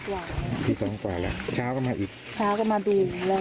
แล้วก็ได้หยอกอยากตามยากตามอะไร